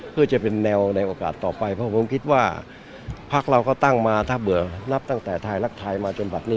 เพื่อจะเป็นแนวในโอกาสต่อไปเพราะผมคิดว่าพักเราก็ตั้งมาถ้าเบื่อนับตั้งแต่ไทยรักไทยมาจนบัตรนี้